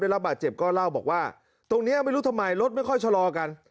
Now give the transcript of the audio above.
รับบาดเจ็บก็เล่าบอกว่าตรงนี้ไม่รู้ทำไมรถไม่ค่อยชะลอกัน